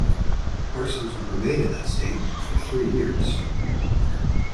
Parsons would remain in that state for three years.